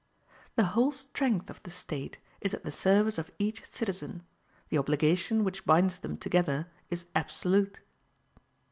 The whole strength of the State is at the service of each citizen; the obligation which binds them together is absolute.